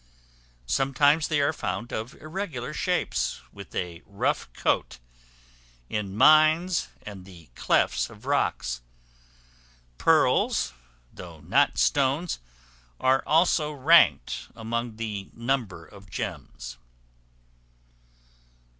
Sometimes they are found of irregular shapes, with a rough coat, in mines and the clefts of rocks. Pearls, though not stones, are also ranked among the number of gems.